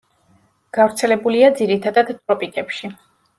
გავრცელებულია ძირითადად ტროპიკებში.